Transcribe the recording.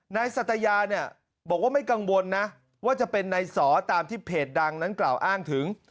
นายสัตยาเนี่ยบอกว่าไม่กังวลนะว่าจะเป็นนายสอตามที่เพจดังนั้นกล่าวอ้างถึง